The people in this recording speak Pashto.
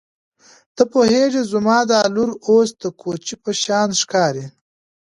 ته پوهېږې زما دا لور اوس د کوچۍ په شان ښکاري.